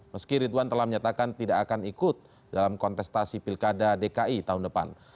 meski ridwan telah menyatakan tidak akan ikut dalam kontestasi pilkada dki tahun depan